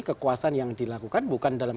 kekuasaan yang dilakukan bukan dalam